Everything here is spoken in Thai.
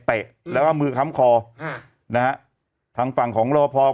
เตะแล้วก็มือค้ำคอฮะนะฮะทางฝั่งของรับประพอ